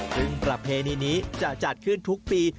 ซึ่งประเพณีนี้จะจัดขึ้นทุกปี